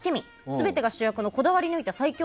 全てが主役のこだわり抜いた最強